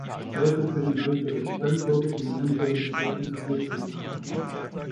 Später können weitere Standorte in anderen Städten errichtet werden.